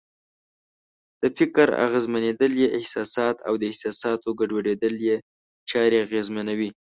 د فکر اغېزمنېدل یې احساسات او د احساساتو ګډوډېدل یې چارې اغېزمنوي.